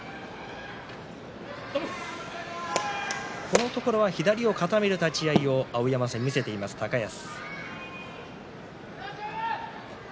このところ左を固める立ち合いを碧山戦に見せている高安。